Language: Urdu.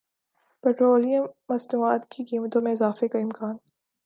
پیٹرولیم مصنوعات کی قیمتوں میں اضافے کا امکان